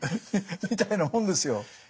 みたいなもんですよ。